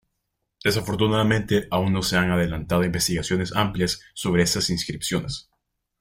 Desafortunadamente aún no se han adelantado investigaciones amplias sobre estas inscripciones.